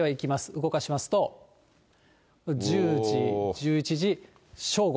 動かしますと、１０時、１１時、正午。